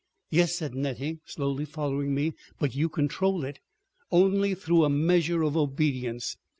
"Yes," said Nettie, slowly following me, "but you control it." "Only through a measure of obedience.